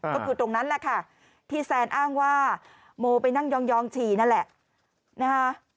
ก็คือตรงนั้นแหละค่ะที่แซนอ้างว่าโมไปนั่งยองฉี่นั่นแหละนะคะ